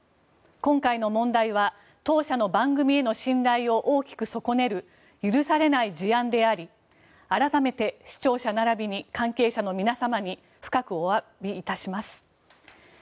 今回の問題は、当社の番組への信頼を大きく損ねる許されない事案であり改めて、視聴者ならびに関係者の皆様に深くお詫び致します。